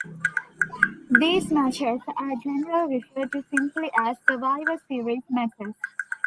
These matches are generally referred to simply as Survivor Series matches.